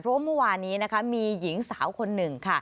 เพราะว่าเมื่อวานนี้นะคะมีหญิงสาวคนหนึ่งค่ะ